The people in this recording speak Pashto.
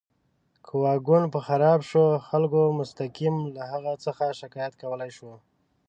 که واګون به خراب شو، خلکو مستقیم له هغه څخه شکایت کولی شو.